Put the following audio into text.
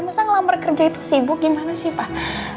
masa ngelamar kerja itu sibuk gimana sih pak